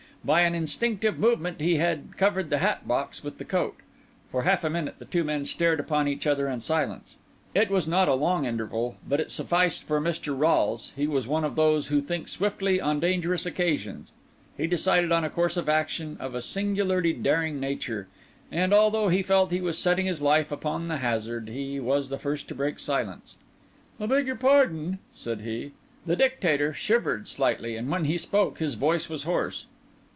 By an instinctive movement he had covered the hat box with the coat. For half a minute the two men stared upon each other in silence. It was not a long interval, but it sufficed for Mr. Rolles; he was one of those who think swiftly on dangerous occasions; he decided on a course of action of a singularly daring nature; and although he felt he was setting his life upon the hazard, he was the first to break silence. "I beg your pardon," said he. The Dictator shivered slightly, and when he spoke his voice was hoarse.